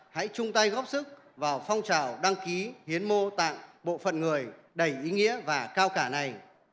hãy chung tay góp sức vào phong trào đăng ký hiến mô tạng bộ phận người đầy ý nghĩa và cao cả này